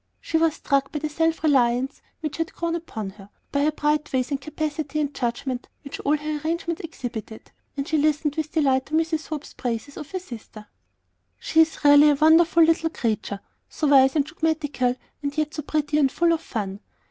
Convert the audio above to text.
She was struck by the self reliance which had grown upon her, by her bright ways and the capacity and judgment which all her arrangements exhibited; and she listened with delight to Mrs. Hope's praises of her sister. "She really is a wonderful little creature; so wise and judgmatical, and yet so pretty and full of fun.